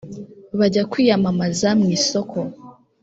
bajya kwiyamamaza mu isoko